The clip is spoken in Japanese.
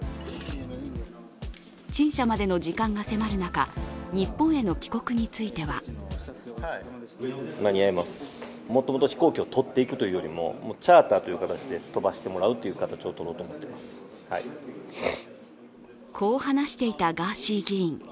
陳謝までの時間が迫る中日本への帰国についてはこう話していたガーシー議員。